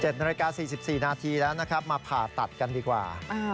นาฬิกา๔๔นาทีแล้วนะครับมาผ่าตัดกันดีกว่า